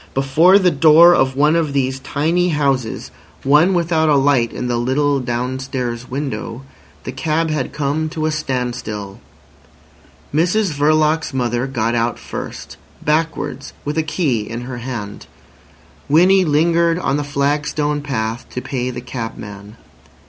Before the door of one of these tiny houses—one without a light in the little downstairs window—the cab had come to a standstill. Mrs Verloc's mother got out first, backwards, with a key in her hand. Winnie lingered on the flagstone path to pay the cabman.